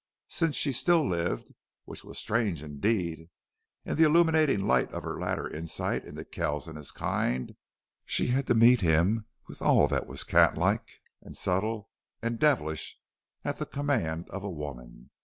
Since she still lived, which was strange indeed in the illuminating light of her later insight into Kells and his kind, she had to meet him with all that was catlike and subtle and devilish at the command of a woman.